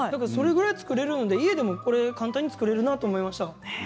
それぐらいで作れるので家でも簡単に作れるなと思いました。